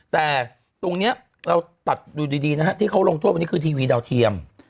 แต่ตรงนี้เราตัดดูดีนะฮะที่เขาลงโทษวันนี้คือทีวีดาวเทียม